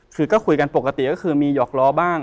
คือก็คุยกันปกติก็คือมีหยอกล้อบ้าง